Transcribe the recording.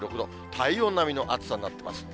体温並みの暑さになっています。